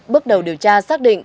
bước đầu điều tra xác định